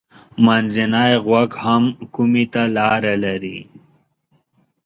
منځنی غوږ هم کومي ته لاره لري.